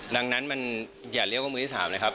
ดังนั้นมันอย่าเรียกว่ามือที่๓นะครับ